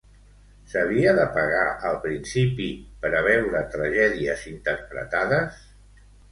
S'havia de pagar al principi per a veure tragèdies interpretades?